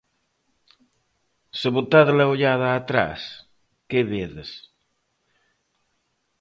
Se botades a ollada atrás que vedes?